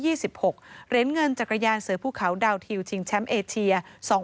เหรียญเงินจักรยานเสือภูเขาดาวทิวชิงแชมป์เอเชีย๒๐